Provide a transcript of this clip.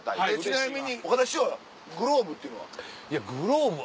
ちなみに岡田師匠グローブっていうのは？